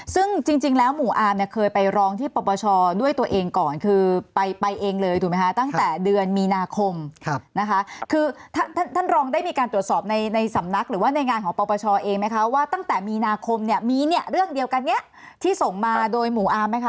ซึ่งจริงแล้วหมู่อาร์มเนี่ยเคยไปร้องที่ปปชด้วยตัวเองก่อนคือไปเองเลยถูกไหมคะตั้งแต่เดือนมีนาคมนะคะคือท่านท่านรองได้มีการตรวจสอบในสำนักหรือว่าในงานของปปชเองไหมคะว่าตั้งแต่มีนาคมเนี่ยมีเนี่ยเรื่องเดียวกันเนี่ยที่ส่งมาโดยหมู่อาร์มไหมคะ